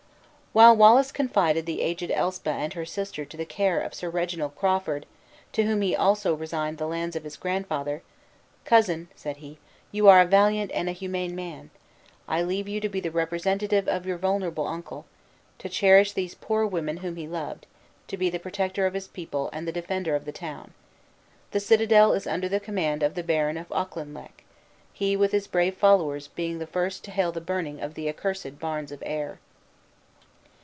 While Wallace confided the aged Elspa and her sister to the care of Sir Reginald Crawford, to whom he also resigned the lands of his grandfather; "Cousin," said he, "you are a valiant and a humane man! I leave you to be the representative of your venerable uncle; to cherish these poor women whom he loved; to be the protector of his people and the defender of the town. The citadel is under the command of the Baron of Auchinleck; he, with his brave followers, being the first to hail the burning of the accursed Barns of Ayr."